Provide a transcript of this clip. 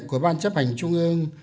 của ban chấp hành trung ương